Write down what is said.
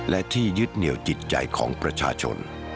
และที่ยึดเหนียวจิตใจของประชาชน